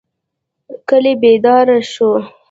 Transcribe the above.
کلی بیدار شو.